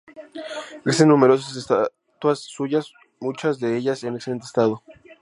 Existen numerosas estatuas suyas, muchas de ellas en excelente estado.